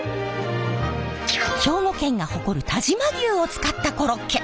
兵庫県が誇る但馬牛を使ったコロッケ。